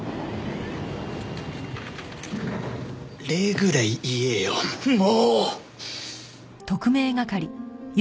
礼ぐらい言えよもう！